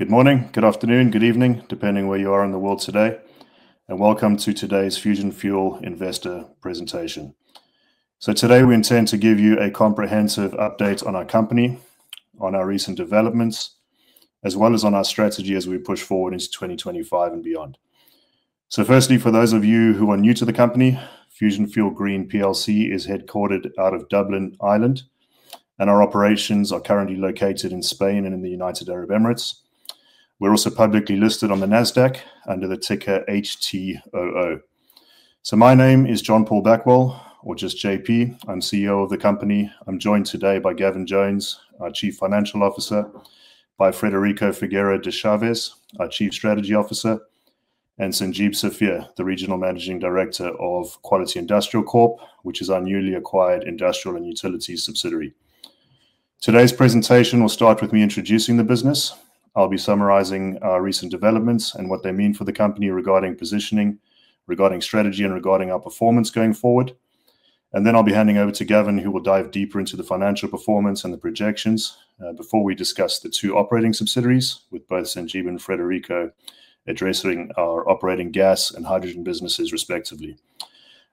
Good morning, good afternoon, good evening, depending where you are in the world today, and welcome to today's Fusion Fuel Investor presentation. Today we intend to give you a comprehensive update on our company, on our recent developments, as well as on our strategy as we push forward into 2025 and beyond. Firstly, for those of you who are new to the company, Fusion Fuel Green PLC is headquartered out of Dublin, Ireland, and our operations are currently located in Spain and in the United Arab Emirates. We're also publicly listed on the NASDAQ under the ticker HTOO. My name is John-Paul Backwell, or just J.P.. I'm CEO of the company. I'm joined today by Gavin Jones, our Chief Financial Officer, by Frederico Figueira de Chaves, our Chief Strategy Officer, and Sanjeeb Safir, the Regional Managing Director of Quality Industrial Corp, which is our newly acquired industrial and utilities subsidiary. Today's presentation will start with me introducing the business. I'll be summarizing our recent developments and what they mean for the company regarding positioning, regarding strategy, and regarding our performance going forward. And then I'll be handing over to Gavin, who will dive deeper into the financial performance and the projections before we discuss the two operating subsidiaries, with both Sanjeeb and Frederico addressing our operating gas and hydrogen businesses respectively.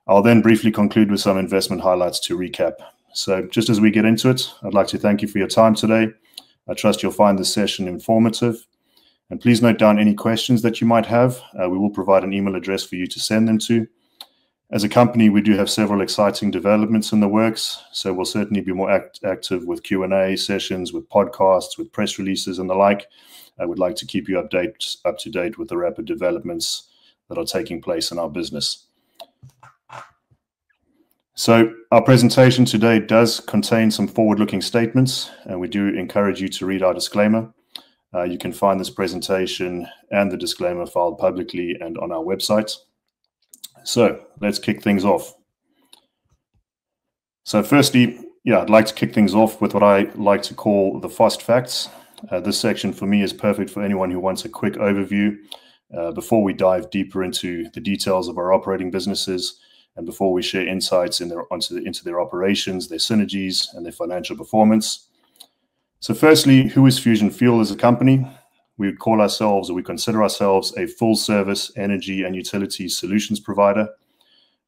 I'll then briefly conclude with some investment highlights to recap. So just as we get into it, I'd like to thank you for your time today. I trust you'll find this session informative. Please note down any questions that you might have. We will provide an email address for you to send them to. As a company, we do have several exciting developments in the works, so we'll certainly be more active with Q&A sessions, with podcasts, with press releases, and the like. I would like to keep you updated with the rapid developments that are taking place in our business. Our presentation today does contain some forward-looking statements, and we do encourage you to read our disclaimer. You can find this presentation and the disclaimer filed publicly and on our website. Let's kick things off. Firstly, yeah, I'd like to kick things off with what I like to call the fast facts. This section for me is perfect for anyone who wants a quick overview before we dive deeper into the details of our operating businesses and before we share insights into their operations, their synergies, and their financial performance. So firstly, who is Fusion Fuel as a company? We call ourselves, or we consider ourselves, a full-service energy and utility solutions provider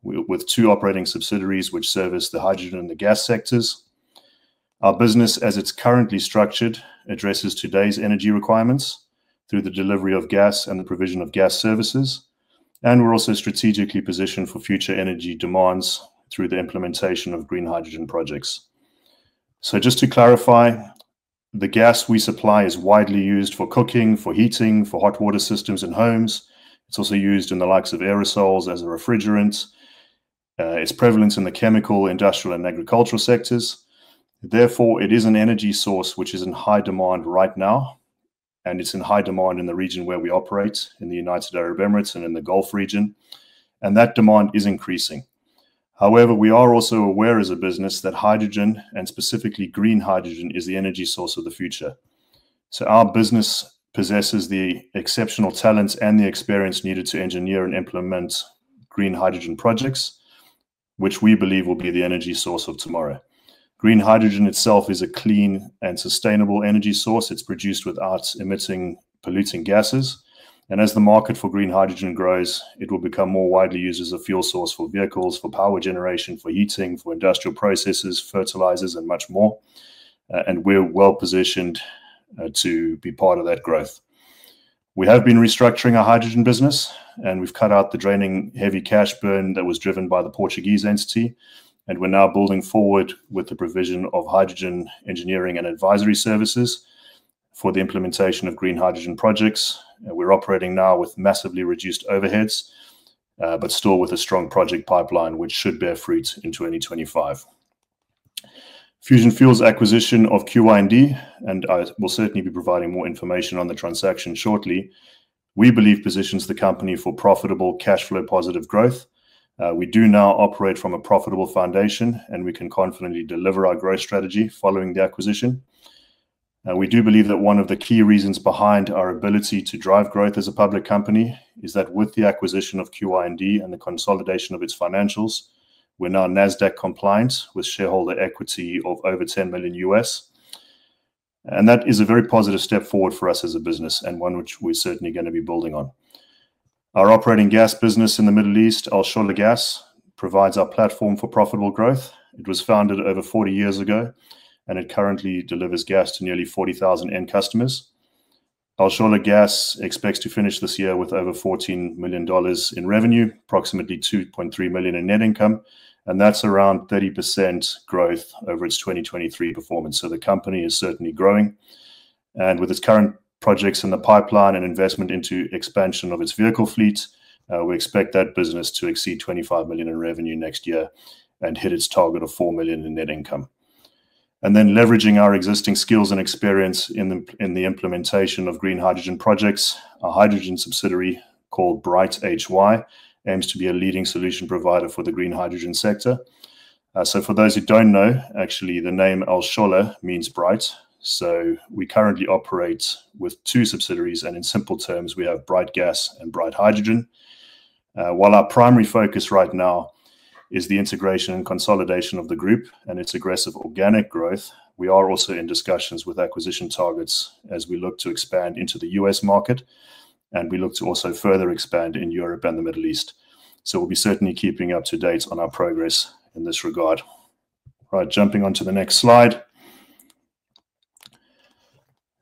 with two operating subsidiaries which service the hydrogen and the gas sectors. Our business, as it's currently structured, addresses today's energy requirements through the delivery of gas and the provision of gas services, and we're also strategically positioned for future energy demands through the implementation of green hydrogen projects. So just to clarify, the gas we supply is widely used for cooking, for heating, for hot water systems in homes. It's also used in the likes of aerosols as a refrigerant. It's prevalent in the chemical, industrial, and agricultural sectors. Therefore, it is an energy source which is in high demand right now, and it's in high demand in the region where we operate, in the United Arab Emirates and in the Gulf region, and that demand is increasing. However, we are also aware as a business that hydrogen, and specifically green hydrogen, is the energy source of the future. So our business possesses the exceptional talents and the experience needed to engineer and implement green hydrogen projects, which we believe will be the energy source of tomorrow. Green hydrogen itself is a clean and sustainable energy source. It's produced without emitting polluting gases. And as the market for green hydrogen grows, it will become more widely used as a fuel source for vehicles, for power generation, for heating, for industrial processes, fertilizers, and much more. We're well positioned to be part of that growth. We have been restructuring our hydrogen business, and we've cut out the draining heavy cash burn that was driven by the Portuguese entity. We're now building forward with the provision of hydrogen engineering and advisory services for the implementation of green hydrogen projects. We're operating now with massively reduced overheads, but still with a strong project pipeline which should bear fruit into 2025. Fusion Fuel's acquisition of QIND, and I will certainly be providing more information on the transaction shortly, we believe, positions the company for profitable cash flow positive growth. We do now operate from a profitable foundation, and we can confidently deliver our growth strategy following the acquisition. We do believe that one of the key reasons behind our ability to drive growth as a public company is that with the acquisition of QIND and the consolidation of its financials, we're now NASDAQ compliant with shareholder equity of over $10 million. That is a very positive step forward for us as a business and one which we're certainly going to be building on. Our operating gas business in the Middle East, Al Shola Gas, provides our platform for profitable growth. It was founded over 40 years ago, and it currently delivers gas to nearly 40,000 end customers. Al Shola Gas expects to finish this year with over $14 million in revenue, approximately $2.3 million in net income, and that's around 30% growth over its 2023 performance. The company is certainly growing. With its current projects in the pipeline and investment into expansion of its vehicle fleet, we expect that business to exceed $25 million in revenue next year and hit its target of $4 million in net income. Leveraging our existing skills and experience in the implementation of green hydrogen projects, our hydrogen subsidiary called BrightHy aims to be a leading solution provider for the green hydrogen sector. For those who don't know, actually, the name Al Shola means bright. We currently operate with two subsidiaries, and in simple terms, we have Bright Gas and Bright Hydrogen. While our primary focus right now is the integration and consolidation of the group and its aggressive organic growth, we are also in discussions with acquisition targets as we look to expand into the U.S. market, and we look to also further expand in Europe and the Middle East. So we'll be certainly keeping up to date on our progress in this regard. All right, jumping on to the next slide.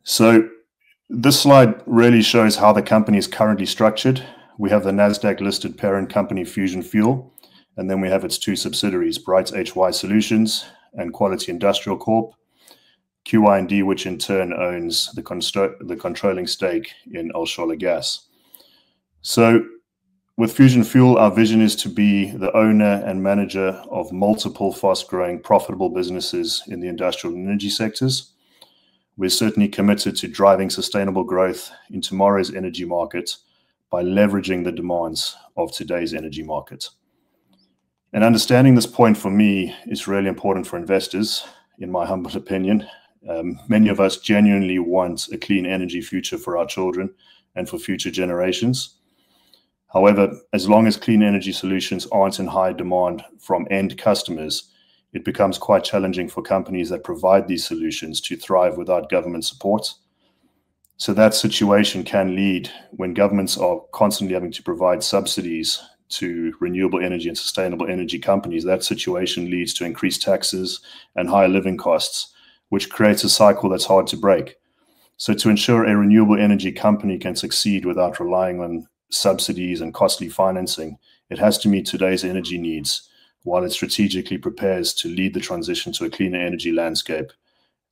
So this slide really shows how the company is currently structured. We have the NASDAQ-listed parent company Fusion Fuel, and then we have its two subsidiaries, BrightHy Solutions and Quality Industrial Corp, QIND, which in turn owns the controlling stake in Al Shola Gas. So with Fusion Fuel, our vision is to be the owner and manager of multiple fast-growing profitable businesses in the industrial and energy sectors. We're certainly committed to driving sustainable growth in tomorrow's energy market by leveraging the demands of today's energy market. And understanding this point for me is really important for investors, in my humble opinion. Many of us genuinely want a clean energy future for our children and for future generations. However, as long as clean energy solutions aren't in high demand from end customers, it becomes quite challenging for companies that provide these solutions to thrive without government support. So that situation can lead when governments are constantly having to provide subsidies to renewable energy and sustainable energy companies, that situation leads to increased taxes and higher living costs, which creates a cycle that's hard to break. So to ensure a renewable energy company can succeed without relying on subsidies and costly financing, it has to meet today's energy needs while it strategically prepares to lead the transition to a cleaner energy landscape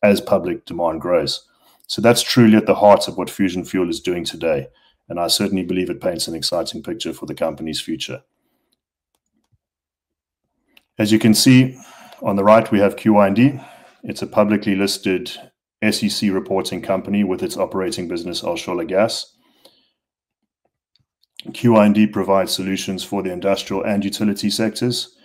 as public demand grows. So that's truly at the heart of what Fusion Fuel is doing today, and I certainly believe it paints an exciting picture for the company's future. As you can see on the right, we have QIND. It's a publicly listed SEC reporting company with its operating business, Al Shola Gas. QIND provides solutions for the industrial and utility sectors.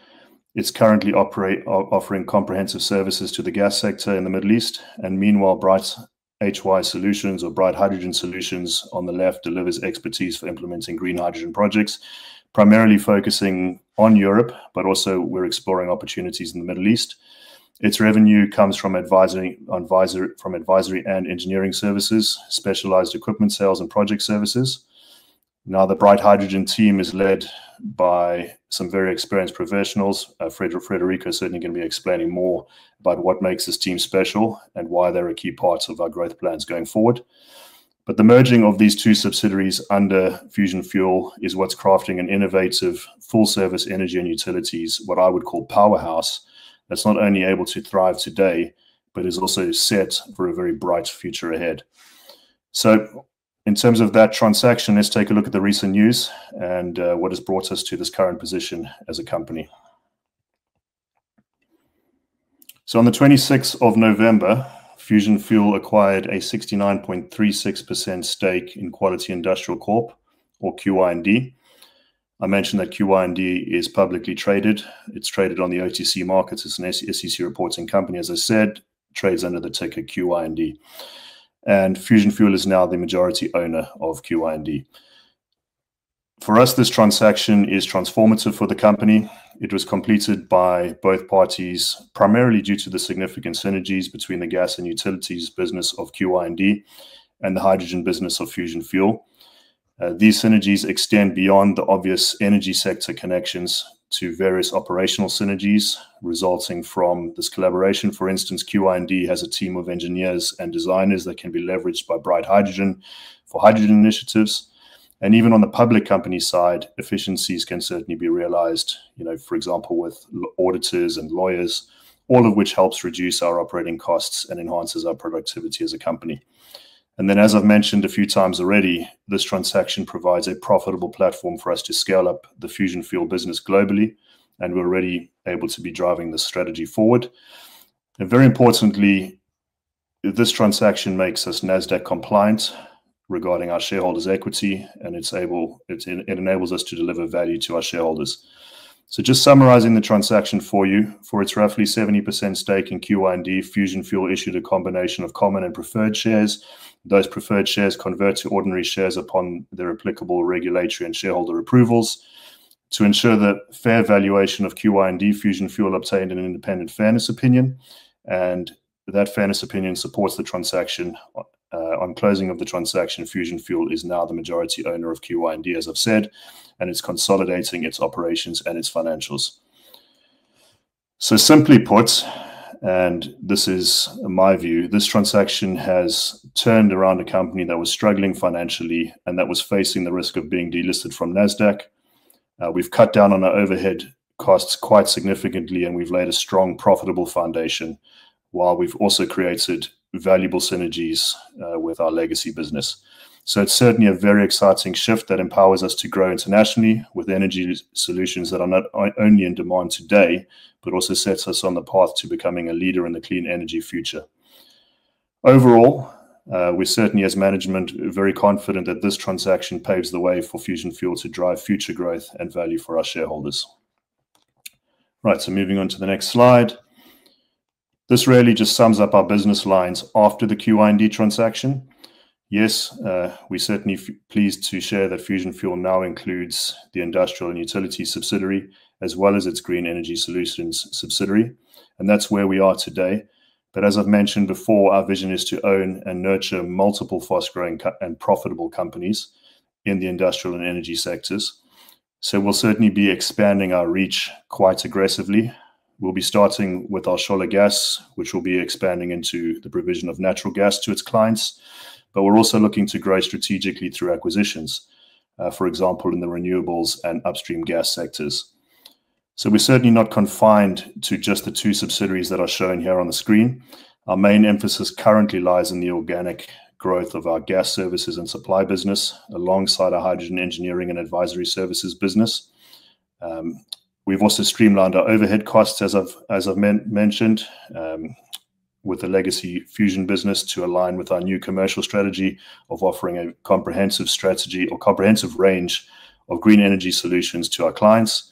It's currently offering comprehensive services to the gas sector in the Middle East. And meanwhile, BrightHy Solutions, or Bright Hydrogen Solutions on the left, delivers expertise for implementing green hydrogen projects, primarily focusing on Europe, but also we're exploring opportunities in the Middle East. Its revenue comes from advisory and engineering services, specialized equipment sales, and project services. Now, the Bright Hydrogen team is led by some very experienced professionals. Frederico is certainly going to be explaining more about what makes this team special and why they're a key part of our growth plans going forward. But the merging of these two subsidiaries under Fusion Fuel is what's crafting an innovative full-service energy and utilities, what I would call powerhouse, that's not only able to thrive today, but is also set for a very bright future ahead. So in terms of that transaction, let's take a look at the recent news and what has brought us to this current position as a company. So on the 26th of November, Fusion Fuel acquired a 69.36% stake in Quality Industrial Corp, or QIND. I mentioned that QIND is publicly traded. It's traded on the OTC markets. It's an SEC reporting company. As I said, it trades under the ticker QIND. And Fusion Fuel is now the majority owner of QIND. For us, this transaction is transformative for the company. It was completed by both parties primarily due to the significant synergies between the gas and utilities business of QIND and the hydrogen business of Fusion Fuel. These synergies extend beyond the obvious energy sector connections to various operational synergies resulting from this collaboration. For instance, QIND has a team of engineers and designers that can be leveraged by BrightHy for hydrogen initiatives. And even on the public company side, efficiencies can certainly be realized, for example, with auditors and lawyers, all of which helps reduce our operating costs and enhances our productivity as a company. And then, as I've mentioned a few times already, this transaction provides a profitable platform for us to scale up the Fusion Fuel business globally, and we're already able to be driving this strategy forward. Very importantly, this transaction makes us NASDAQ compliant regarding our shareholders' equity, and it enables us to deliver value to our shareholders. Just summarizing the transaction for you, for its roughly 70% stake in QIND, Fusion Fuel issued a combination of common and preferred shares. Those preferred shares convert to ordinary shares upon their applicable regulatory and shareholder approvals to ensure the fair valuation of QIND. Fusion Fuel obtained an independent fairness opinion. That fairness opinion supports the transaction. On closing of the transaction, Fusion Fuel is now the majority owner of QIND, as I've said, and it's consolidating its operations and its financials. Simply put, and this is my view, this transaction has turned around a company that was struggling financially and that was facing the risk of being delisted from NASDAQ. We've cut down on our overhead costs quite significantly, and we've laid a strong, profitable foundation while we've also created valuable synergies with our legacy business. So it's certainly a very exciting shift that empowers us to grow internationally with energy solutions that are not only in demand today, but also sets us on the path to becoming a leader in the clean energy future. Overall, we certainly as management are very confident that this transaction paves the way for Fusion Fuel to drive future growth and value for our shareholders. Right, so moving on to the next slide. This really just sums up our business lines after the QIND transaction. Yes, we're certainly pleased to share that Fusion Fuel now includes the industrial and utility subsidiary as well as its green energy solutions subsidiary. And that's where we are today. But as I've mentioned before, our vision is to own and nurture multiple fast-growing and profitable companies in the industrial and energy sectors. So we'll certainly be expanding our reach quite aggressively. We'll be starting with Al Shola Gas, which will be expanding into the provision of natural gas to its clients, but we're also looking to grow strategically through acquisitions, for example, in the renewables and upstream gas sectors. So we're certainly not confined to just the two subsidiaries that are shown here on the screen. Our main emphasis currently lies in the organic growth of our gas services and supply business alongside our hydrogen engineering and advisory services business. We've also streamlined our overhead costs, as I've mentioned, with the legacy Fusion business to align with our new commercial strategy of offering a comprehensive strategy or comprehensive range of green energy solutions to our clients.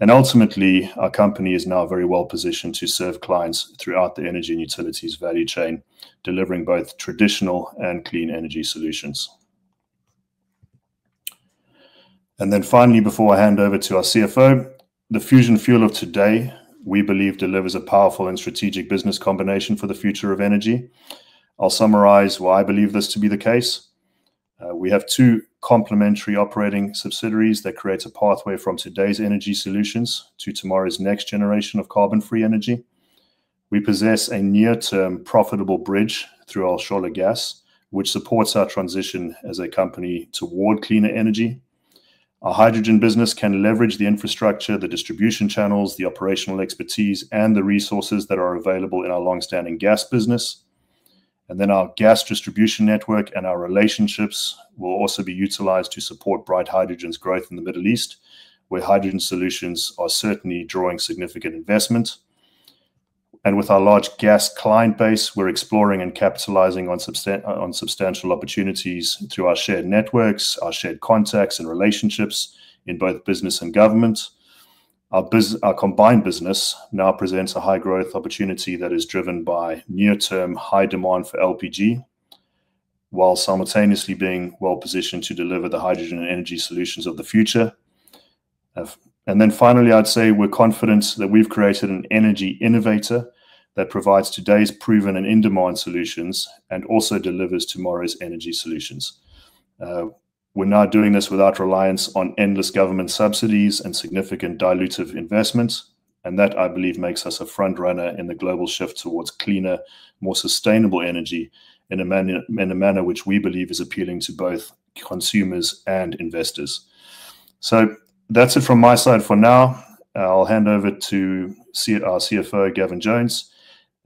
Ultimately, our company is now very well positioned to serve clients throughout the energy and utilities value chain, delivering both traditional and clean energy solutions. Finally, before I hand over to our CFO, the Fusion Fuel of today, we believe, delivers a powerful and strategic business combination for the future of energy. I'll summarize why I believe this to be the case. We have two complementary operating subsidiaries that create a pathway from today's energy solutions to tomorrow's next generation of carbon-free energy. We possess a near-term profitable bridge through Al Shola Gas, which supports our transition as a company toward cleaner energy. Our hydrogen business can leverage the infrastructure, the distribution channels, the operational expertise, and the resources that are available in our long-standing gas business. And then our gas distribution network and our relationships will also be utilized to support Bright Hygrogen's growth in the Middle East, where hydrogen solutions are certainly drawing significant investment. And with our large gas client base, we're exploring and capitalizing on substantial opportunities through our shared networks, our shared contacts, and relationships in both business and government. Our combined business now presents a high-growth opportunity that is driven by near-term high demand for LPG, while simultaneously being well-positioned to deliver the hydrogen and energy solutions of the future. And then finally, I'd say we're confident that we've created an energy innovator that provides today's proven and in-demand solutions and also delivers tomorrow's energy solutions. We're not doing this without reliance on endless government subsidies and significant dilutive investments. That, I believe, makes us a front-runner in the global shift towards cleaner, more sustainable energy in a manner which we believe is appealing to both consumers and investors. So that's it from my side for now. I'll hand over to our CFO, Gavin Jones,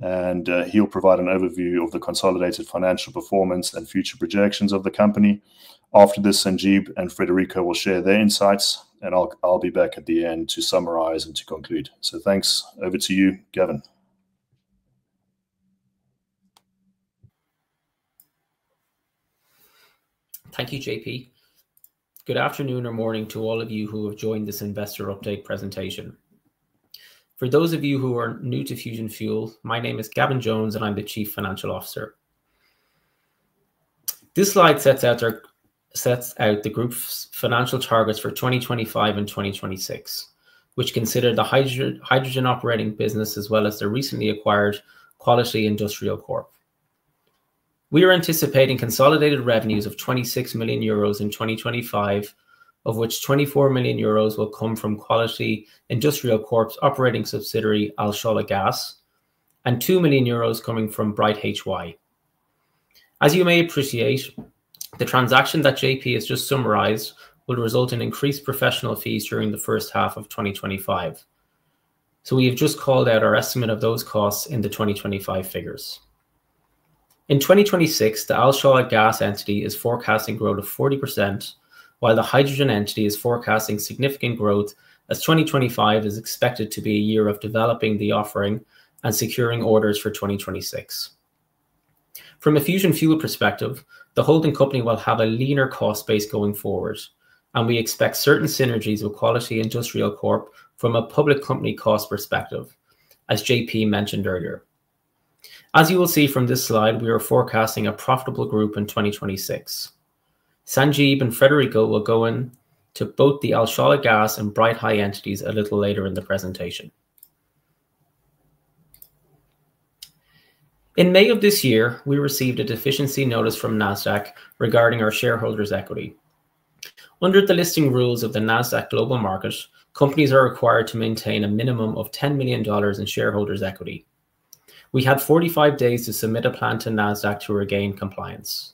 and he'll provide an overview of the consolidated financial performance and future projections of the company. After this, Sanjeeb and Frederico will share their insights, and I'll be back at the end to summarize and to conclude. So thanks. Over to you, Gavin. Thank you, J.P.. Good afternoon or morning to all of you who have joined this investor update presentation. For those of you who are new to Fusion Fuel, my name is Gavin Jones, and I'm the Chief Financial Officer. This slide sets out the group's financial targets for 2025 and 2026, which consider the hydrogen operating business as well as the recently acquired Quality Industrial Corp. We are anticipating consolidated revenues of 26 million euros in 2025, of which 24 million euros will come from Quality Industrial Corp's operating subsidiary, Al Shola Gas, and 2 million euros coming from BrightHy. As you may appreciate, the transaction that J.P. has just summarized will result in increased professional fees during the first half of 2025, so we have just called out our estimate of those costs in the 2025 figures. In 2026, the Al Shola Gas entity is forecasting growth of 40%, while the hydrogen entity is forecasting significant growth as 2025 is expected to be a year of developing the offering and securing orders for 2026. From a Fusion Fuel perspective, the holding company will have a leaner cost base going forward, and we expect certain synergies with Quality Industrial Corp from a public company cost perspective, as J.P. mentioned earlier. As you will see from this slide, we are forecasting a profitable group in 2026. Sanjeeb and Frederico will go into both the Al Shola Gas and BrightHy entities a little later in the presentation. In May of this year, we received a deficiency notice from NASDAQ regarding our shareholders' equity. Under the listing rules of the NASDAQ Global Market, companies are required to maintain a minimum of $10 million in shareholders' equity. We had 45 days to submit a plan to NASDAQ to regain compliance.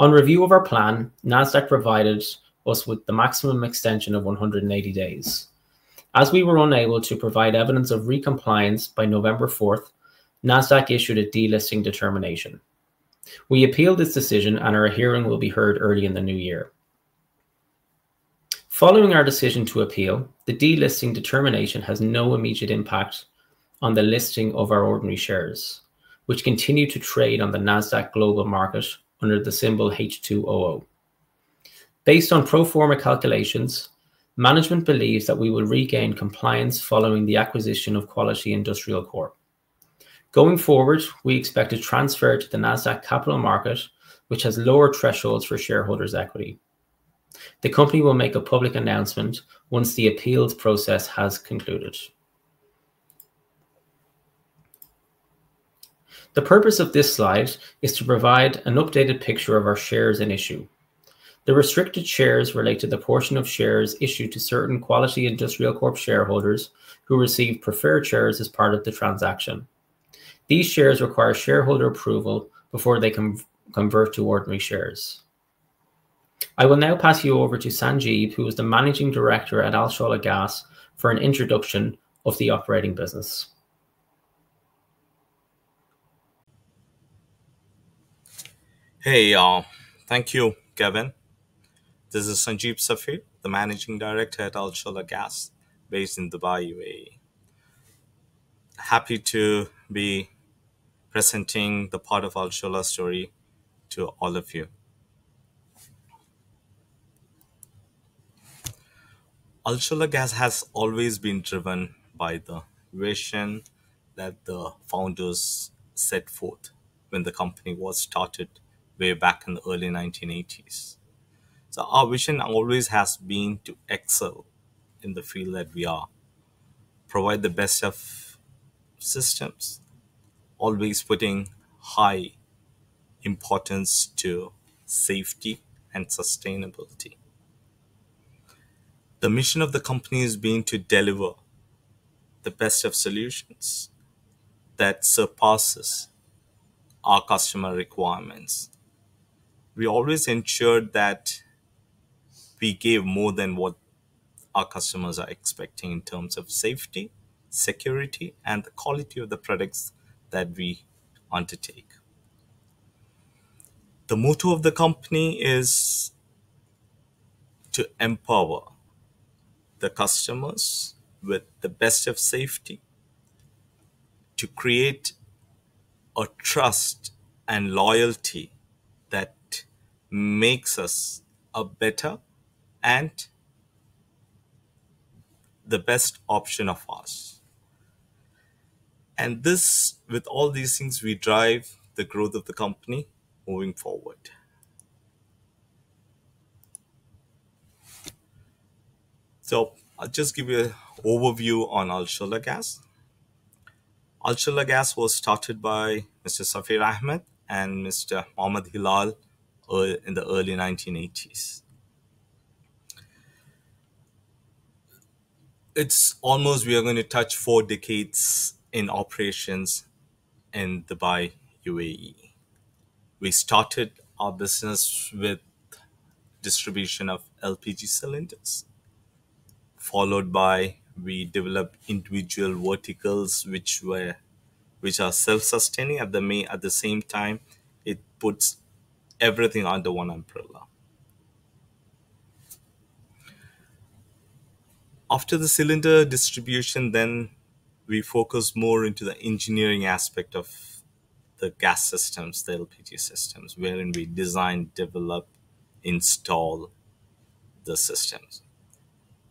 On review of our plan, NASDAQ provided us with the maximum extension of 180 days. As we were unable to provide evidence of recompliance by November 4th, NASDAQ issued a delisting determination. We appealed this decision, and our hearing will be heard early in the new year. Following our decision to appeal, the delisting determination has no immediate impact on the listing of our ordinary shares, which continue to trade on the NASDAQ Global Market under the symbol HTOO. Based on pro forma calculations, management believes that we will regain compliance following the acquisition of Quality Industrial Corp. Going forward, we expect a transfer to the NASDAQ Capital Market, which has lower thresholds for shareholders' equity. The company will make a public announcement once the appeals process has concluded. The purpose of this slide is to provide an updated picture of our shares in issue. The restricted shares relate to the portion of shares issued to certain Quality Industrial Corp shareholders who receive preferred shares as part of the transaction. These shares require shareholder approval before they can convert to ordinary shares. I will now pass you over to Sanjeeb, who is the Managing Director at Al Shola Gas, for an introduction of the operating business. Hey, y'all. Thank you, Gavin. This is Sanjeeb Safir, the Managing Director at Al Shola Gas, based in Dubai, UAE. Happy to be presenting the part of Al Shola story to all of you. Al Shola Gas has always been driven by the vision that the founders set forth when the company was started way back in the early 1980s. So our vision always has been to excel in the field that we are, provide the best of systems, always putting high importance to safety and sustainability. The mission of the company has been to deliver the best of solutions that surpasses our customer requirements. We always ensured that we gave more than what our customers are expecting in terms of safety, security, and the quality of the products that we undertake. The motto of the company is to empower the customers with the best of safety, to create a trust and loyalty that makes us a better and the best option of us, and with all these things, we drive the growth of the company moving forward, so I'll just give you an overview on Al Shola Gas. Al Shola Gas was started by Mr. Safir Ahammed and Mr. Mohammed Hilal in the early 1980s. It's almost we are going to touch four decades in operations in Dubai, U.A.E. We started our business with distribution of LPG cylinders, followed by we developed individual verticals, which are self-sustaining. At the same time, it puts everything under one umbrella. After the cylinder distribution, then we focus more into the engineering aspect of the gas systems, the LPG systems, wherein we design, develop, install the systems.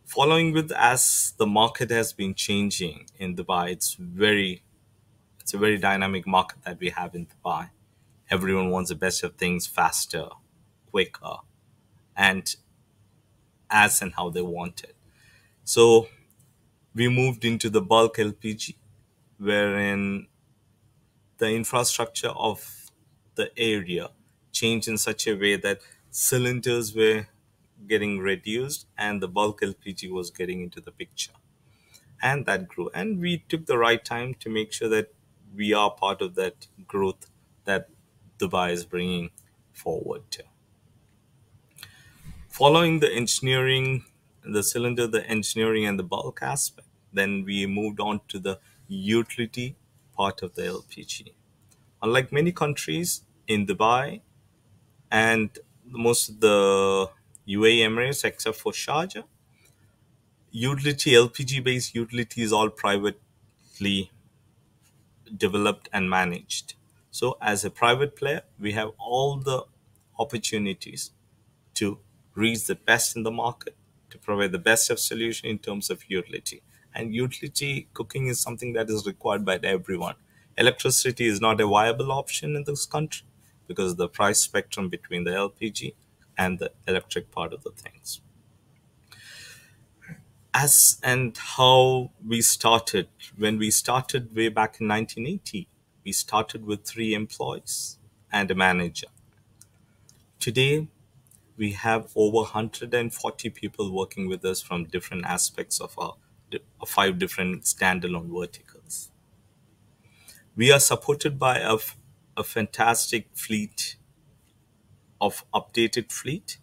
Following with, as the market has been changing in Dubai, it's a very dynamic market that we have in Dubai. Everyone wants the best of things faster, quicker, and as and how they want it, so we moved into the bulk LPG, wherein the infrastructure of the area changed in such a way that cylinders were getting reduced and the bulk LPG was getting into the picture, and that grew, and we took the right time to make sure that we are part of that growth that Dubai is bringing forward. Following the engineering, the cylinder, the engineering, and the bulk aspect, then we moved on to the utility part of the LPG. Unlike many countries in Dubai and most of the U.A. Emirates, except for Sharjah, utility, LPG-based utility is all privately developed and managed. So as a private player, we have all the opportunities to reach the best in the market, to provide the best of solution in terms of utility. And utility cooking is something that is required by everyone. Electricity is not a viable option in this country because of the price spectrum between the LPG and the electric part of the things. As and how we started, when we started way back in 1980, we started with three employees and a manager. Today, we have over 140 people working with us from different aspects of our five different standalone verticals. We are supported by a fantastic updated fleet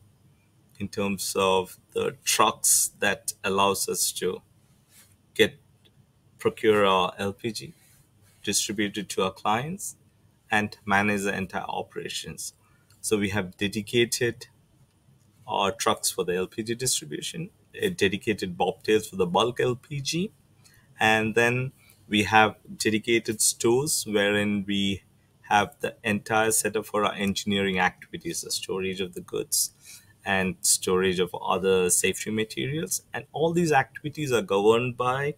in terms of the trucks that allows us to procure our LPG, distribute it to our clients, and manage the entire operations, so we have dedicated trucks for the LPG distribution, dedicated bobtails for the bulk LPG, and then we have dedicated stores wherein we have the entire setup for our engineering activities, the storage of the goods and storage of other safety materials, and all these activities are governed by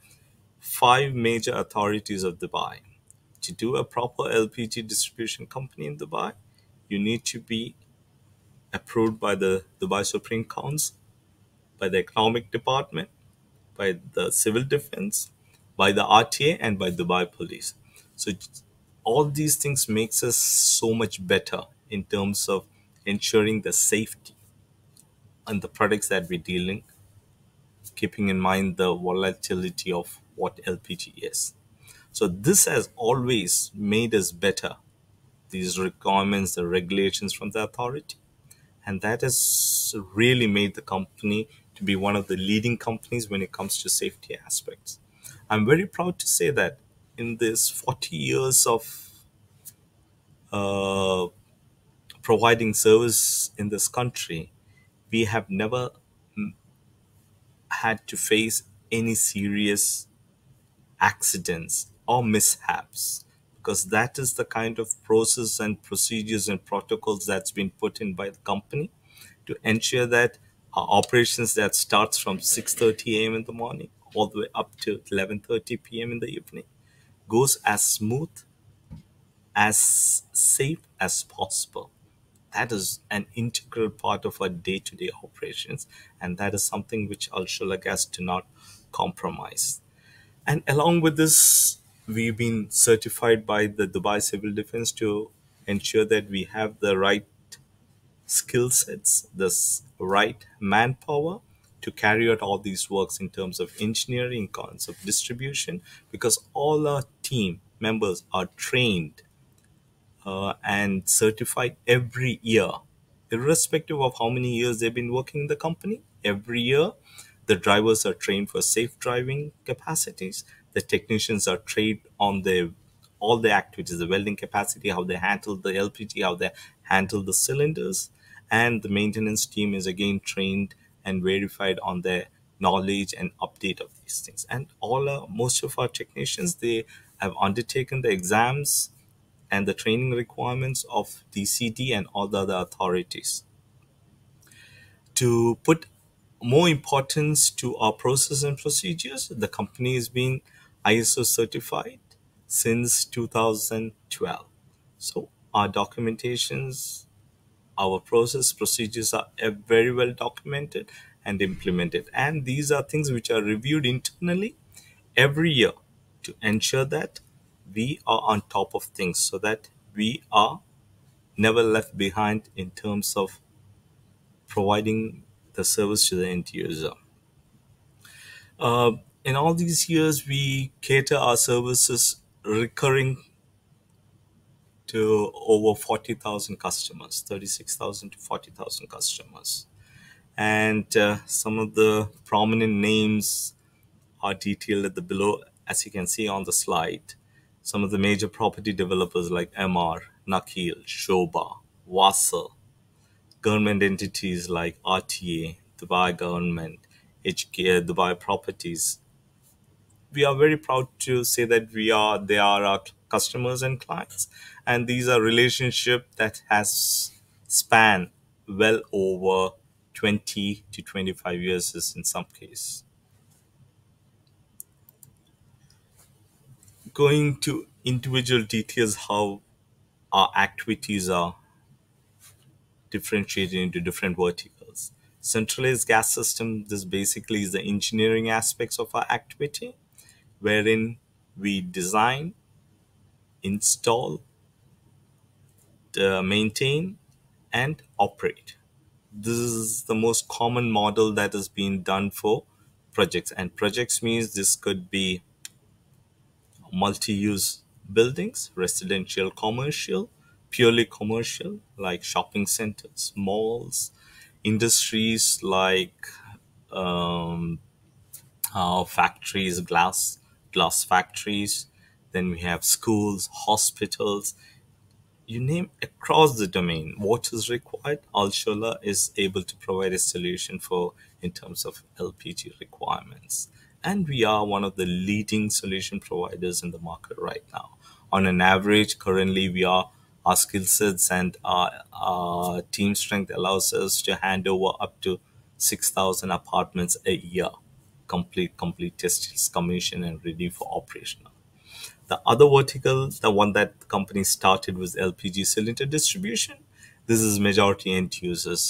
five major authorities of Dubai. To do a proper LPG distribution company in Dubai, you need to be approved by the Dubai Supreme Council, by the Economic Department, by the Civil Defense, by the RTA, and by Dubai Police, so all these things make us so much better in terms of ensuring the safety and the products that we're dealing, keeping in mind the volatility of what LPG is. This has always made us better, these requirements, the regulations from the authority, and that has really made the company to be one of the leading companies when it comes to safety aspects. I'm very proud to say that in these 40 years of providing service in this country, we have never had to face any serious accidents or mishaps because that is the kind of process and procedures and protocols that's been put in by the company to ensure that our operations that starts from 6:30 A.M. in the morning all the way up to 11:30 P.M. in the evening goes as smooth, as safe as possible. That is an integral part of our day-to-day operations, and that is something which Al Shola Gas does not compromise. Along with this, we've been certified by the Dubai Civil Defense to ensure that we have the right skill sets, the right manpower to carry out all these works in terms of engineering, in terms of distribution, because all our team members are trained and certified every year, irrespective of how many years they've been working in the company. Every year, the drivers are trained for safe driving capacities. The technicians are trained on all the activities, the welding capacity, how they handle the LPG, how they handle the cylinders, and the maintenance team is, again, trained and verified on their knowledge and update of these things. And most of our technicians, they have undertaken the exams and the training requirements of DCD and all the other authorities. To put more importance to our process and procedures, the company has been ISO certified since 2012. Our documentation, our process procedures are very well documented and implemented. These are things which are reviewed internally every year to ensure that we are on top of things so that we are never left behind in terms of providing the service to the end user. In all these years, we cater our services recurring to over 40,000 customers, 36,000 to 40,000 customers. Some of the prominent names are detailed below, as you can see on the slide. Some of the major property developers like Emaar, Nakheel, Sobha, Wasl, government entities like RTA, Dubai Government, HKL, Dubai Properties. We are very proud to say that they are our customers and clients, and these are relationships that have spanned well over 20 to 25 years in some cases. Going to individual details, how our activities are differentiated into different verticals. Centralized gas systems is basically the engineering aspects of our activity, wherein we design, install, maintain, and operate. This is the most common model that has been done for projects, and projects means this could be multi-use buildings, residential, commercial, purely commercial, like shopping centers, malls, industries like our factories, glass factories, then we have schools, hospitals, you name it across the domain. What is required, Al Shola is able to provide a solution for in terms of LPG requirements, and we are one of the leading solution providers in the market right now. On an average, currently, our skill sets and our team strength allows us to hand over up to 6,000 apartments a year, complete testings, commissioned, and ready for operation. The other vertical, the one that the company started with LPG cylinder distribution, this is majority end users.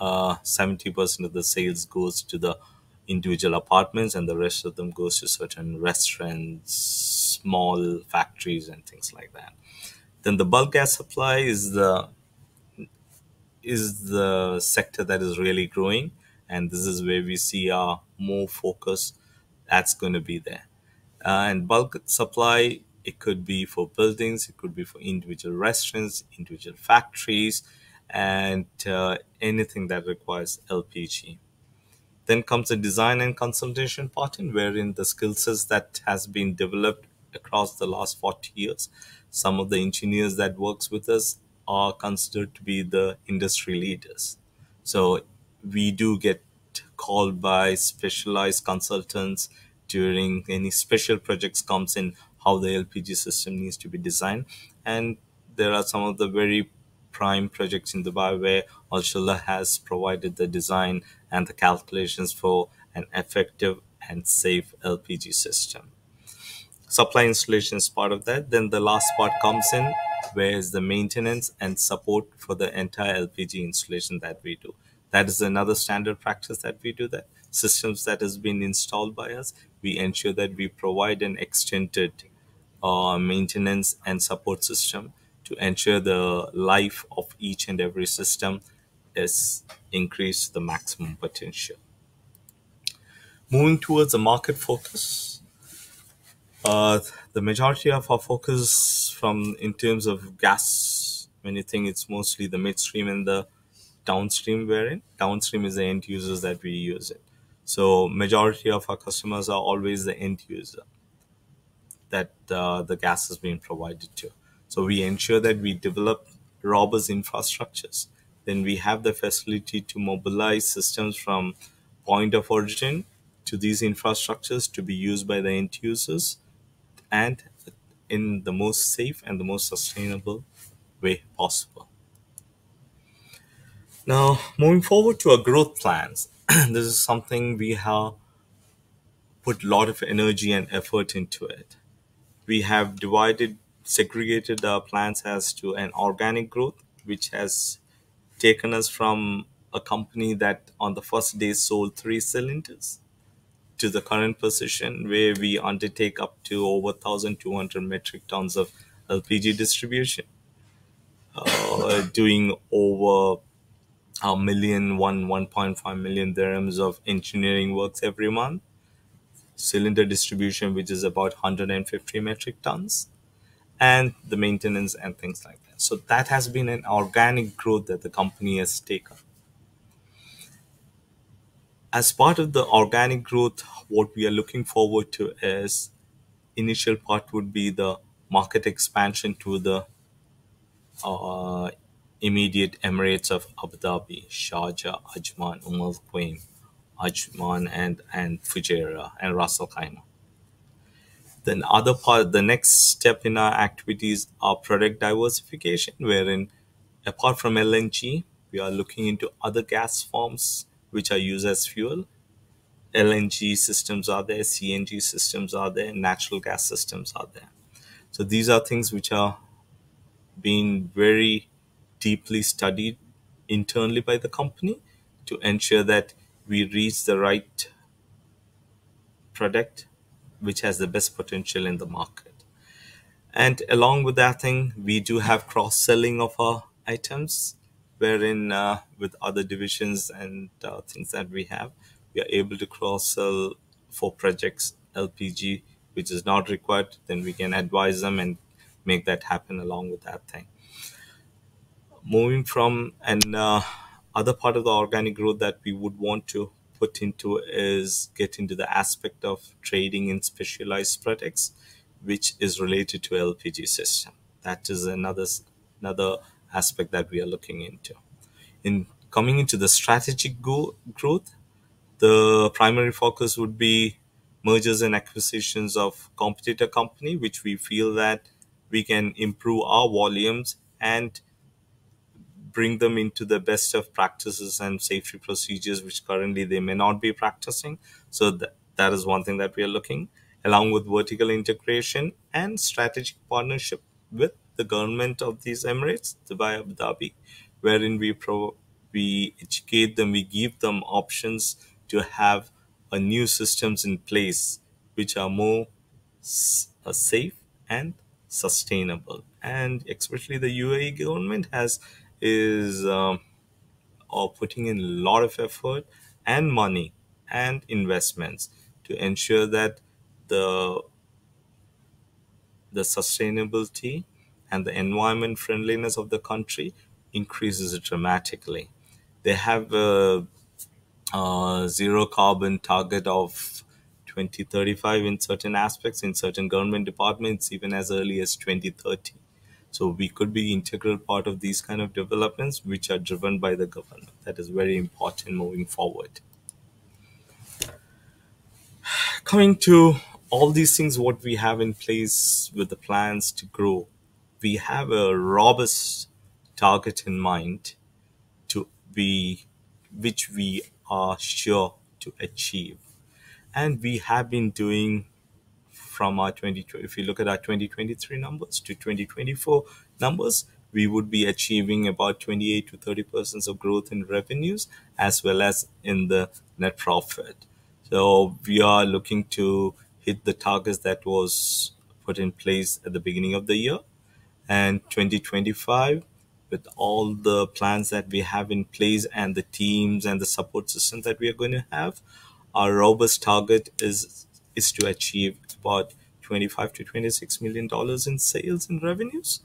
70% of the sales goes to the individual apartments and the rest of them goes to certain restaurants, small factories, and things like that. Then the bulk gas supply is the sector that is really growing, and this is where we see our more focus that's going to be there. And bulk supply, it could be for buildings, it could be for individual restaurants, individual factories, and anything that requires LPG. Then comes the design and consultation part, wherein the skill sets that have been developed across the last 40 years, some of the engineers that work with us are considered to be the industry leaders. So we do get called by specialized consultants during any special projects come in how the LPG system needs to be designed. There are some of the very prime projects in Dubai where Al Shola has provided the design and the calculations for an effective and safe LPG system. Supply installation is part of that. Then the last part comes in, whereas the maintenance and support for the entire LPG installation that we do. That is another standard practice that we do that systems that have been installed by us. We ensure that we provide an extended maintenance and support system to ensure the life of each and every system is increased to the maximum potential. Moving towards the market focus, the majority of our focus from in terms of gas, when you think it's mostly the midstream and the downstream wherein downstream is the end users that we use it. So majority of our customers are always the end user that the gas has been provided to. So we ensure that we develop robust infrastructures. Then we have the facility to mobilize systems from point of origin to these infrastructures to be used by the end users and in the most safe and the most sustainable way possible. Now, moving forward to our growth plans, this is something we have put a lot of energy and effort into it. We have divided, segregated our plans as to an organic growth, which has taken us from a company that on the first day sold three cylinders to the current position where we undertake up to over 1,200 metric tons of LPG distribution, doing over 1 million-1.5 million dirhams of engineering works every month, cylinder distribution, which is about 150 metric tons, and the maintenance and things like that. So that has been an organic growth that the company has taken. As part of the organic growth, what we are looking forward to is initial part would be the market expansion to the immediate emirates of Abu Dhabi, Sharjah, Ajman, Umm Al Quwain, Fujairah, and Ras Al Khaimah, then other part, the next step in our activities are product diversification, wherein apart from LNG, we are looking into other gas forms which are used as fuel. LNG systems are there, CNG systems are there, natural gas systems are there. So these are things which are being very deeply studied internally by the company to ensure that we reach the right product which has the best potential in the market, and along with that thing, we do have cross-selling of our items, wherein with other divisions and things that we have, we are able to cross-sell for projects LPG, which is not required. Then we can advise them and make that happen along with that thing. Moving from another part of the organic growth that we would want to put into is get into the aspect of trading in specialized products, which is related to LPG system. That is another aspect that we are looking into. In coming into the strategic growth, the primary focus would be mergers and acquisitions of competitor company, which we feel that we can improve our volumes and bring them into the best of practices and safety procedures, which currently they may not be practicing. So that is one thing that we are looking, along with vertical integration and strategic partnership with the government of these Emirates, Dubai, Abu Dhabi, wherein we educate them, we give them options to have new systems in place which are more safe and sustainable. And especially the U.A.E. government is putting in a lot of effort and money and investments to ensure that the sustainability and the environment friendliness of the country increases dramatically. They have a zero carbon target of 2035 in certain aspects in certain government departments, even as early as 2030. So we could be an integral part of these kinds of developments which are driven by the government. That is very important moving forward. Coming to all these things, what we have in place with the plans to grow, we have a robust target in mind which we are sure to achieve. And we have been doing from our 2020, if you look at our 2023 numbers to 2024 numbers, we would be achieving about 28%-30% growth in revenues as well as in the net profit. We are looking to hit the targets that were put in place at the beginning of the year. In 2025, with all the plans that we have in place and the teams and the support systems that we are going to have, our robust target is to achieve about $25 million-$26 million in sales and revenues.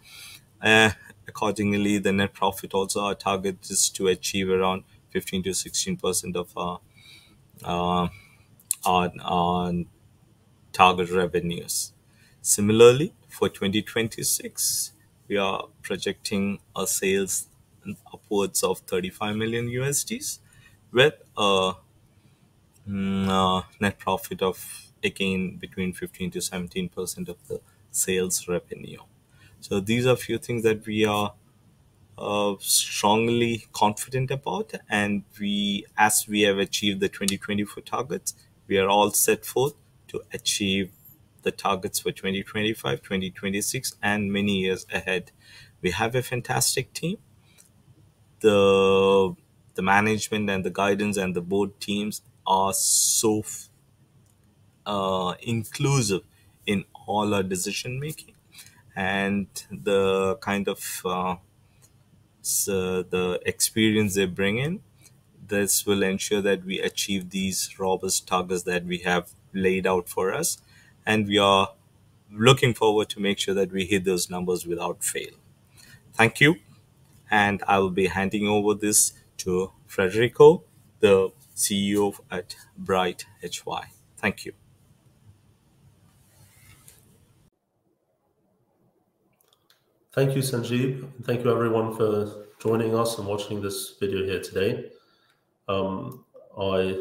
Accordingly, the net profit also our target is to achieve around 15%-16% of our target revenues. Similarly, for 2026, we are projecting our sales upwards of $35 million with a net profit of, again, between 15%-17% of the sales revenue. These are a few things that we are strongly confident about. As we have achieved the 2024 targets, we are all set forth to achieve the targets for 2025, 2026, and many years ahead. We have a fantastic team. The management and the guidance and the board teams are so inclusive in all our decision-making. And the kind of experience they bring in, this will ensure that we achieve these robust targets that we have laid out for us. And we are looking forward to make sure that we hit those numbers without fail. Thank you. And I will be handing over this to Frederico, the CEO at BrightHy. Thank you. Thank you, Sanjeeb. Thank you, everyone, for joining us and watching this video here today. I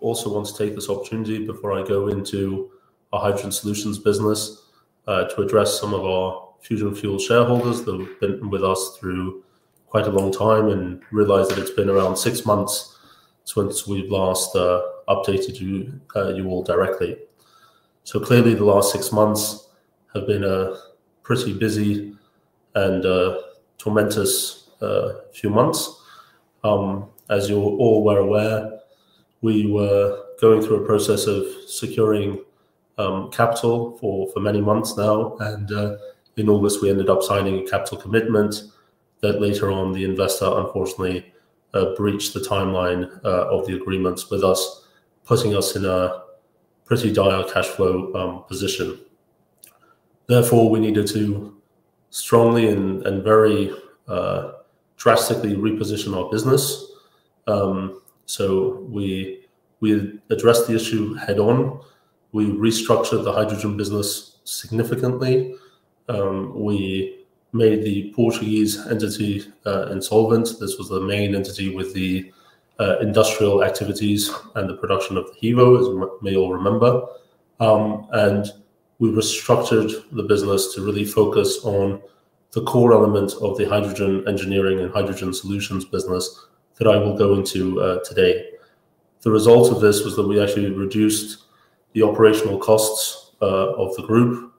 also want to take this opportunity before I go into our hydrogen solutions business to address some of our Fusion Fuel shareholders that have been with us through quite a long time and realize that it's been around six months since we've last updated you all directly. Clearly, the last six months have been a pretty busy and tumultuous few months. As you all were aware, we were going through a process of securing capital for many months now. In August, we ended up signing a capital commitment that later on, the investor, unfortunately, breached the timeline of the agreements with us, putting us in a pretty dire cash flow position. Therefore, we needed to strongly and very drastically reposition our business. We addressed the issue head-on. We restructured the hydrogen business significantly. We made the Portuguese entity insolvent. This was the main entity with the industrial activities and the production of the HEVO, as you may all remember. We restructured the business to really focus on the core elements of the hydrogen engineering and hydrogen solutions business that I will go into today. The result of this was that we actually reduced the operational costs of the group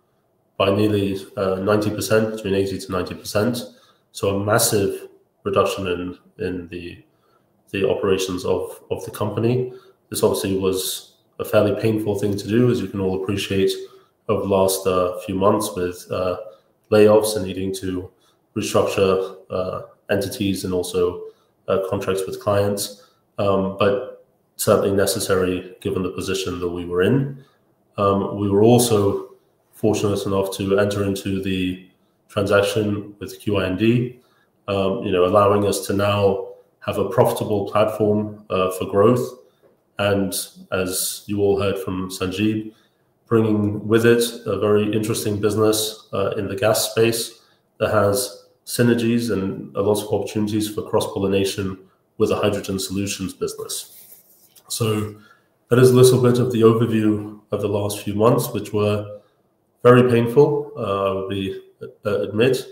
by nearly 90%, between 80%-90%, so a massive reduction in the operations of the company. This obviously was a fairly painful thing to do, as you can all appreciate, over the last few months with layoffs and needing to restructure entities and also contracts with clients, but certainly necessary given the position that we were in. We were also fortunate enough to enter into the transaction with QIND, allowing us to now have a profitable platform for growth, and as you all heard from Sanjeeb, bringing with it a very interesting business in the gas space that has synergies and a lot of opportunities for cross-pollination with the hydrogen solutions business, so that is a little bit of the overview of the last few months, which were very painful, I would admit.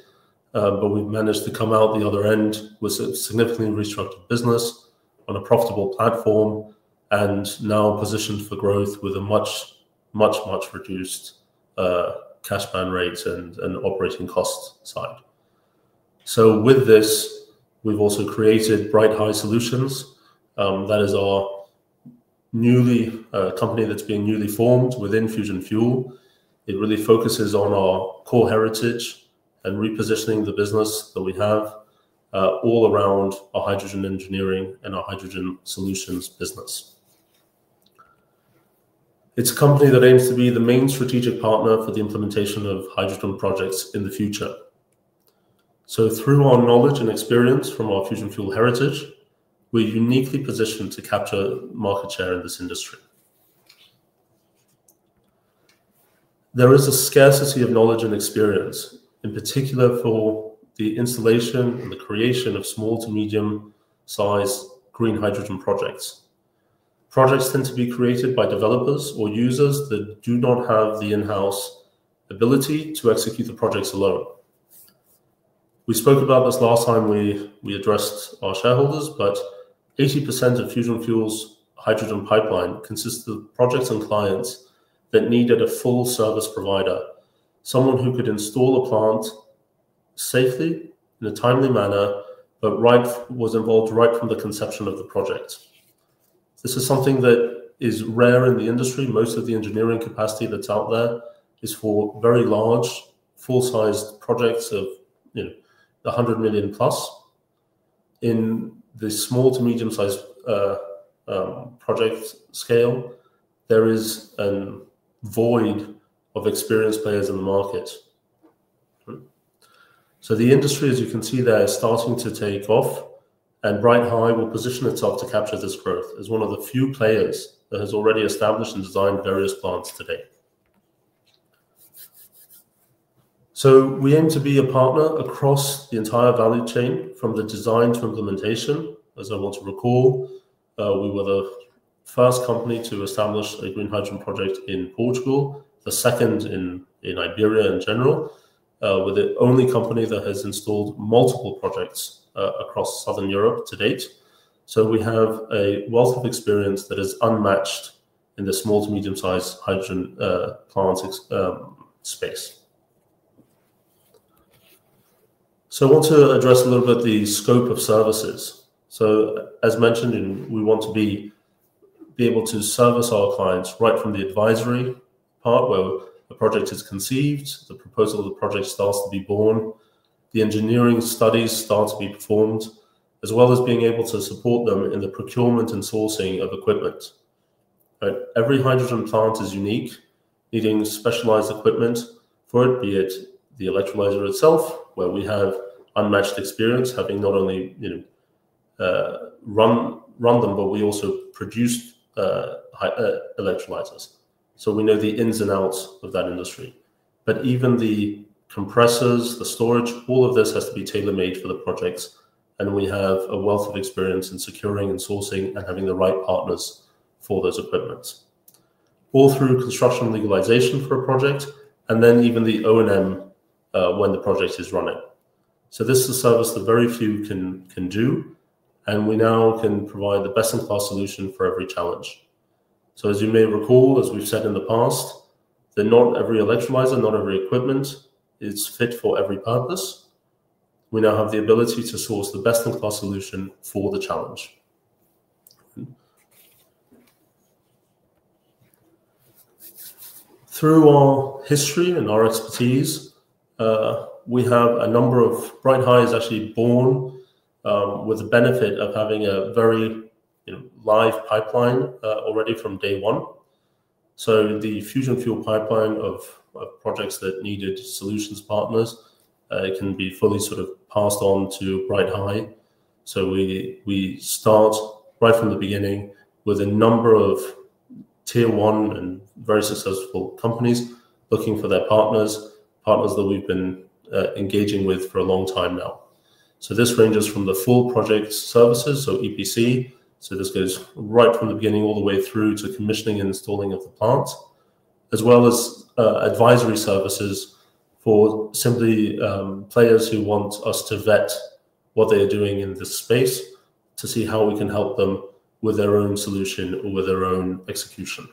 But we've managed to come out the other end with a significantly restructured business on a profitable platform and now positioned for growth with a much, much, much reduced cash burn rates and operating cost side. So with this, we've also created BrightHy Solutions. That is our newly company that's being newly formed within Fusion Fuel. It really focuses on our core heritage and repositioning the business that we have all around our hydrogen engineering and our hydrogen solutions business. It's a company that aims to be the main strategic partner for the implementation of hydrogen projects in the future. So through our knowledge and experience from our Fusion Fuel heritage, we're uniquely positioned to capture market share in this industry. There is a scarcity of knowledge and experience, in particular for the installation and the creation of small to medium-sized green hydrogen projects. Projects tend to be created by developers or users that do not have the in-house ability to execute the projects alone. We spoke about this last time we addressed our shareholders, but 80% of Fusion Fuel's hydrogen pipeline consists of projects and clients that needed a full service provider, someone who could install a plant safely in a timely manner, but was involved right from the conception of the project. This is something that is rare in the industry. Most of the engineering capacity that's out there is for very large, full-sized projects of 100 million plus. In the small to medium-sized project scale, there is a void of experienced players in the market. So the industry, as you can see there, is starting to take off, and BrightHy will position itself to capture this growth as one of the few players that has already established and designed various plants today. So we aim to be a partner across the entire value chain, from the design to implementation. As I recall, we were the first company to establish a green hydrogen project in Portugal, the second in Iberia in general, with the only company that has installed multiple projects across Southern Europe to date. So we have a wealth of experience that is unmatched in the small to medium-sized hydrogen plant space. So I want to address a little bit the scope of services. So as mentioned, we want to be able to service our clients right from the advisory part where a project is conceived, the proposal of the project starts to be born, the engineering studies start to be performed, as well as being able to support them in the procurement and sourcing of equipment. Every hydrogen plant is unique, needing specialized equipment for it, be it the electrolyzer itself, where we have unmatched experience having not only run them, but we also produce electrolyzers. So we know the ins and outs of that industry. But even the compressors, the storage, all of this has to be tailor-made for the projects. And we have a wealth of experience in securing and sourcing and having the right partners for those equipment, all through construction legalization for a project, and then even the O&M when the project is running. So this is a service that very few can do, and we now can provide the best-in-class solution for every challenge. So as you may recall, as we've said in the past, that not every electrolyzer, not every equipment is fit for every purpose. We now have the ability to source the best-in-class solution for the challenge. Through our history and our expertise, we have a number of BrightHy is actually born with the benefit of having a very live pipeline already from day one. So the Fusion Fuel pipeline of projects that needed solutions partners can be fully sort of passed on to BrightHy. So we start right from the beginning with a number of tier one and very successful companies looking for their partners, partners that we've been engaging with for a long time now. So this ranges from the full project services, so EPC. This goes right from the beginning all the way through to commissioning and installing of the plants, as well as advisory services for simple players who want us to vet what they are doing in this space to see how we can help them with their own solution or with their own execution.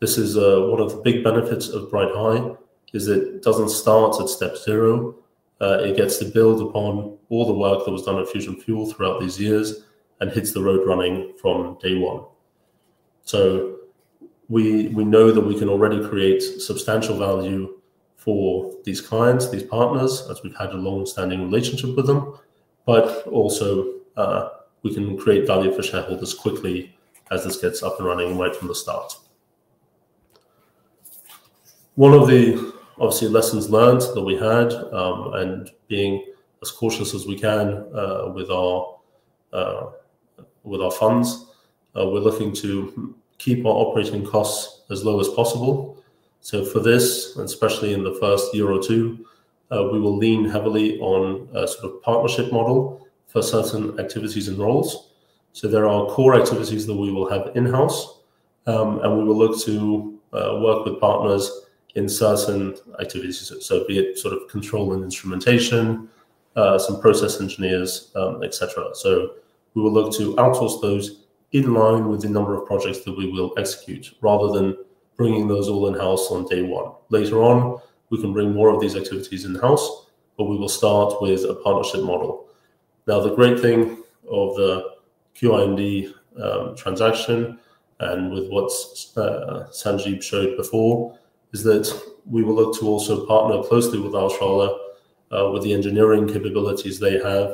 This is one of the big benefits of BrightHy, is it doesn't start at step zero. It gets to build upon all the work that was done at Fusion Fuel throughout these years and hits the road running from day one. We know that we can already create substantial value for these clients, these partners, as we've had a long-standing relationship with them. But also, we can create value for shareholders quickly as this gets up and running right from the start. One of the obvious lessons learned that we had and being as cautious as we can with our funds, we're looking to keep our operating costs as low as possible, so for this, and especially in the first year or two, we will lean heavily on a sort of partnership model for certain activities and roles, so there are core activities that we will have in-house, and we will look to work with partners in certain activities, so be it sort of control and instrumentation, some process engineers, etc., so we will look to outsource those in line with the number of projects that we will execute, rather than bringing those all in-house on day one. Later on, we can bring more of these activities in-house, but we will start with a partnership model. Now, the great thing of the QIND transaction and with what Sanjeeb showed before is that we will look to also partner closely with Al Shola with the engineering capabilities they have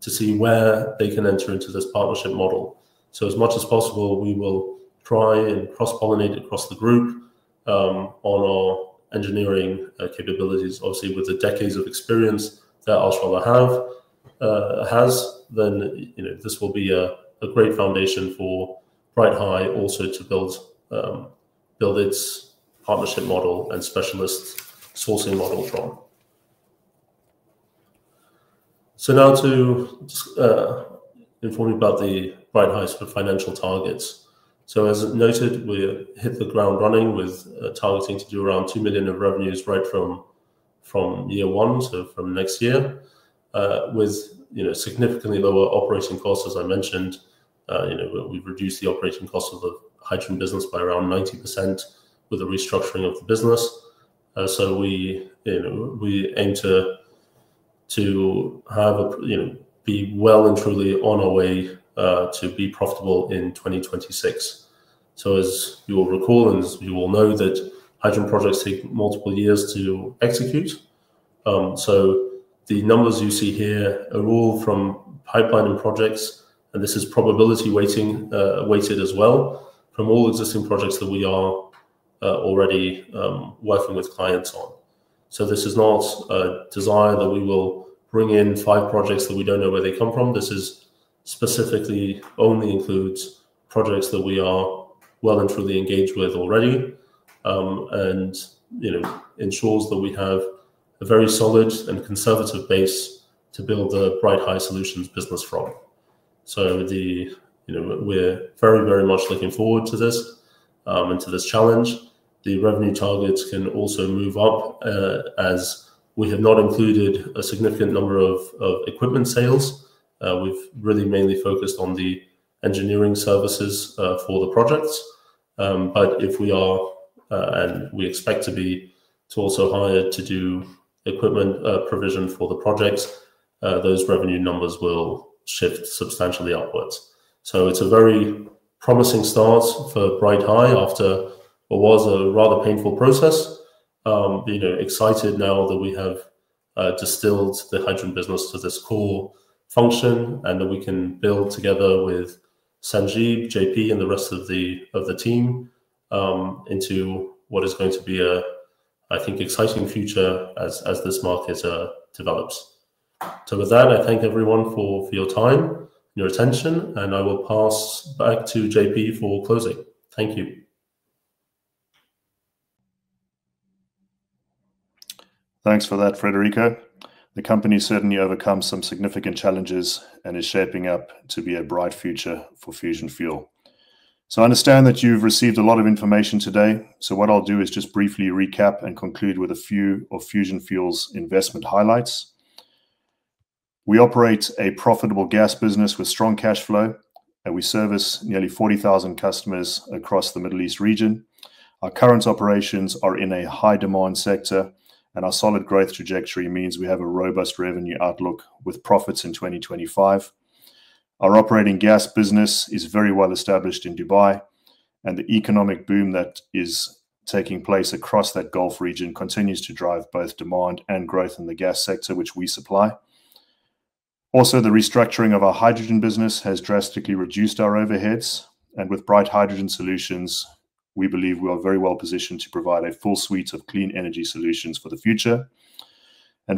to see where they can enter into this partnership model. So as much as possible, we will try and cross-pollinate across the group on our engineering capabilities, obviously with the decades of experience that Al Shola has. Then this will be a great foundation for BrightHy also to build its partnership model and specialist sourcing model from. So now to inform you about the BrightHy sort of financial targets. So as noted, we hit the ground running with targeting to do around $2 million of revenues right from year one, so from next year, with significantly lower operating costs. As I mentioned, we've reduced the operating costs of the hydrogen business by around 90% with the restructuring of the business. So we aim to be well and truly on our way to be profitable in 2026. So as you will recall, and as you will know, that hydrogen projects take multiple years to execute. So the numbers you see here are all from pipeline and projects, and this is probability weighted as well from all existing projects that we are already working with clients on. So this is not a desire that we will bring in five projects that we don't know where they come from. This specifically only includes projects that we are well and truly engaged with already and ensures that we have a very solid and conservative base to build the BrightHy Solutions business from. So we're very, very much looking forward to this and to this challenge. The revenue targets can also move up as we have not included a significant number of equipment sales. We've really mainly focused on the engineering services for the projects. But if we are, and we expect to be, to also hire to do equipment provision for the projects, those revenue numbers will shift substantially upwards. So it's a very promising start for BrightHy after what was a rather painful process. Excited now that we have distilled the hydrogen business to this core function and that we can build together with Sanjeeb, J.P., and the rest of the team into what is going to be a, I think, exciting future as this market develops. So with that, I thank everyone for your time and your attention, and I will pass back to J.P. for closing. Thank you. Thanks for that, Frederico. The company certainly overcomes some significant challenges and is shaping up to be a bright future for Fusion Fuel. So I understand that you've received a lot of information today. So what I'll do is just briefly recap and conclude with a few of Fusion Fuel's investment highlights. We operate a profitable gas business with strong cash flow, and we service nearly 40,000 customers across the Middle East region. Our current operations are in a high-demand sector, and our solid growth trajectory means we have a robust revenue outlook with profits in 2025. Our operating gas business is very well established in Dubai, and the economic boom that is taking place across that Gulf region continues to drive both demand and growth in the gas sector, which we supply. Also, the restructuring of our hydrogen business has drastically reduced our overheads. With BrightHy Solutions, we believe we are very well positioned to provide a full suite of clean energy solutions for the future.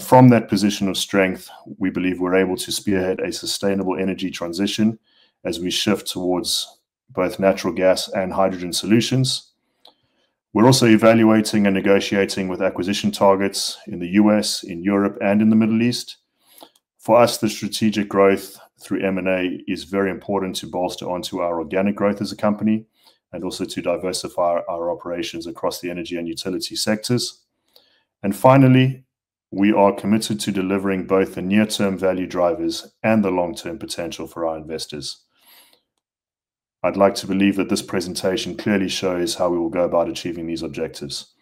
From that position of strength, we believe we're able to spearhead a sustainable energy transition as we shift towards both natural gas and hydrogen solutions. We're also evaluating and negotiating with acquisition targets in the U.S., in Europe, and in the Middle East. For us, the strategic growth through M&A is very important to bolster onto our organic growth as a company and also to diversify our operations across the energy and utility sectors. Finally, we are committed to delivering both the near-term value drivers and the long-term potential for our investors. I'd like to believe that this presentation clearly shows how we will go about achieving these objectives.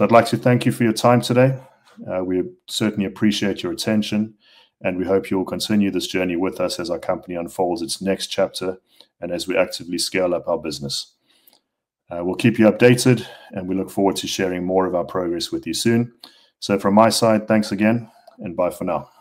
I'd like to thank you for your time today. We certainly appreciate your attention, and we hope you will continue this journey with us as our company unfolds its next chapter and as we actively scale up our business. We'll keep you updated, and we look forward to sharing more of our progress with you soon. So from my side, thanks again, and bye for now.